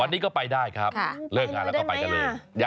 วันนี้ก็ไปได้ครับเลิกงานแล้วก็ไปกันเลย